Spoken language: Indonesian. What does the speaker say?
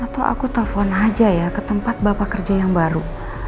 atau aku telpon aja ya ke tempat bapak kerja yang baru